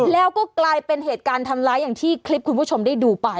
แล้วก็กลายเป็นเหตุการณ์ทำร้ายอย่างที่คลิปคุณผู้ชมได้ดูไป